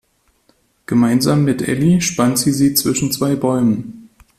Gemeinsam mit Elli spannt sie sie zwischen zwei Bäumen.